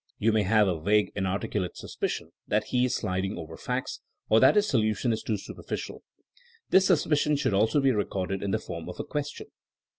You may have a vague inar ticulate suspicion that he is sliding over facts, or that his solution is too superficial. This sus picion should also be recorded in the form of a question.